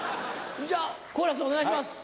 じゃあ好楽さんお願いします。